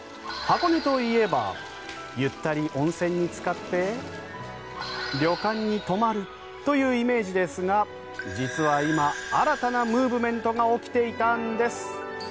箱根といえばゆったり温泉につかって旅館に泊まるというイメージですが実は今、新たなムーブメントが起きていたんです。